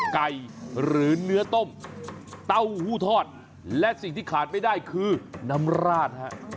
ไก่หรือเนื้อต้มเต้าหู้ทอดและสิ่งที่ขาดไม่ได้คือน้ำราดฮะ